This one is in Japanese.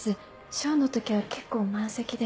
ショーの時は結構満席で。